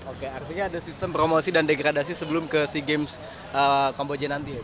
oke artinya ada sistem promosi dan degradasi sebelum ke sea games kamboja nanti ya